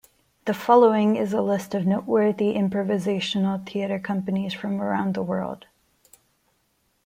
The following is a list of noteworthy improvisational theatre companies from around the world.